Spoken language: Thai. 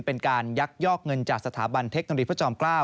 เป็นการยักยอกเงินจากสถาบันเทคโนโลยีพระจอมเกล้า